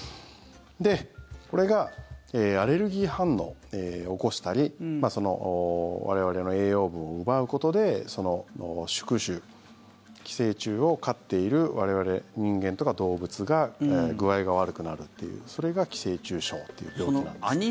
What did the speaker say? で、これがアレルギー反応を起こしたり我々の栄養分を奪うことで宿主、寄生虫を飼っている我々人間とか動物が具合が悪くなるというそれが寄生虫症という病気なんですね。